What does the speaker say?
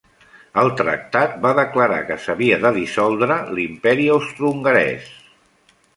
El tractat va declarar que s'havia de dissoldre l'Imperi Austrohongarès.